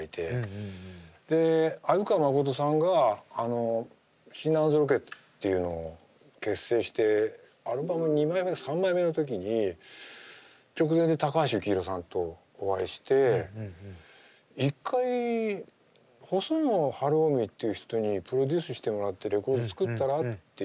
で鮎川誠さんがシーナ＆ロケッツっていうのを結成してアルバム２枚目か３枚目の時に直前に高橋幸宏さんとお会いして一回細野晴臣っていう人にプロデュースしてもらってレコード作ったらっていう。